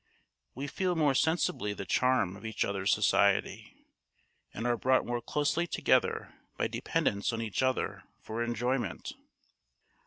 We feel more sensibly the charm of each other's society, and are brought more closely together by dependence on each other for enjoyment.